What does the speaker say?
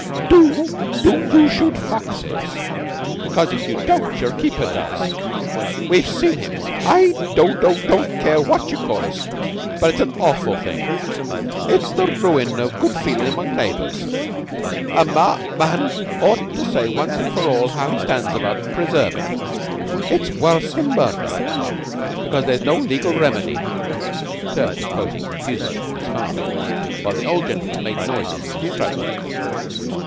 Do do you shoot foxes? Because, if you don't, your keeper does. We've seen him! I do don't care what you call us but it's an awful thing. It's the ruin of good feelin' among neighbors. A ma man ought to say once and for all how he stands about preservin'. It's worse than murder, because there's no legal remedy." McTurk was quoting confusedly from his father, while the old gentleman made noises in his throat.